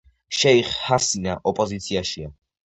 შეიხ ჰასინა ოპოზიციაშია.